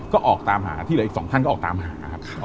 ก็ออกตามหาที่เหลืออีก๒ท่านก็ออกตามหาครับ